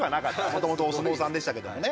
元々お相撲さんでしたけどもね。